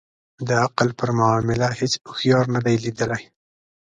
د عقل پر معامله هیڅ اوښیار نه دی لېدلی.